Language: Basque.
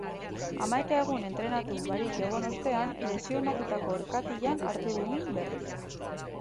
Hamaika egun entrenatu barik egon ostean, lesionatutako orkatilan hartu du min berriz.